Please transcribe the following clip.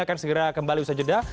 akan segera kembali usaha jeda